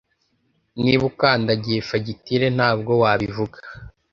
Niba ukandagiye fagitire ntabwo wabivuga